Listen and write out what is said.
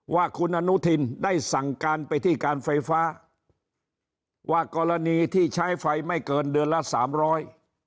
ว่าคุณอนุทินได้สั่งการไปที่การไฟฟ้าว่ากรณีที่ใช้ไฟไม่เกินเดือนละสามร้อย